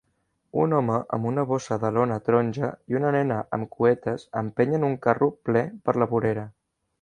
Un home amb una bossa de lona taronja i una nena amb cuetes empenyen un carro ple per la vorera.